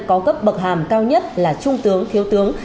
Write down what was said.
có cấp bậc hàm cao nhất là trung tướng thiếu tướng